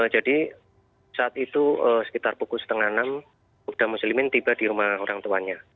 jadi saat itu sekitar pukul setengah enam kopda muslimin tiba di rumah orang tuanya